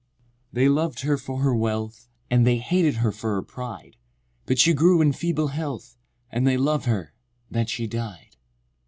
III. They loved her for her wealth— And they hated her for her pride— But she grew in feeble health, And they love her—that she died.